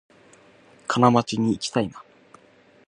金町にいきたいな